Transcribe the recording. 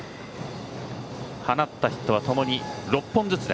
放ったヒットはともに６本ずつ。